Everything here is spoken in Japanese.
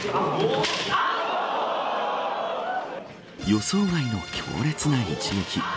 予想外の強烈な一撃。